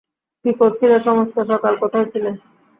কী করছিলে সমস্ত সকাল, কোথায় ছিলে।